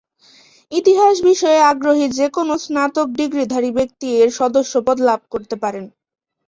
ইতিহাস বিষয়ে আগ্রহী যে-কোন স্নাতক ডিগ্রিধারী ব্যক্তিই এর সদস্যপদ লাভ করতে পারেন।